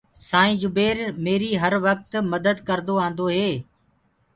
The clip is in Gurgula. سآئيٚنٚ جُبير ميريٚ هر وڪت مَدَت ڪردو آنٚدوئي۔